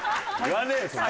言わねえよ